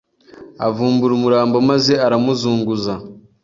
avumbura umurambo maze aramuzunguza